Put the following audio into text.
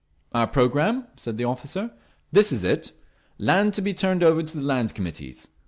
"Our programme?" said the officer. "This is it. Land to be turned over to the Land Committees.